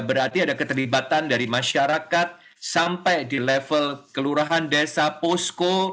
berarti ada keterlibatan dari masyarakat sampai di level kelurahan desa posko